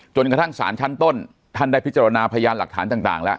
จนกระทั่งสารชั้นต้นท่านได้พิจารณาพยานหลักฐานต่างแล้ว